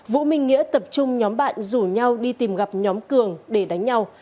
vũ minh nghĩa tập trung nhóm bạn rủ nhau đi tìm gặp nhóm cường để đánh nhau